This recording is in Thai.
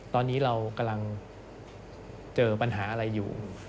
ตอนนี้เรากำลังเจอปัญหาอะไรอยู่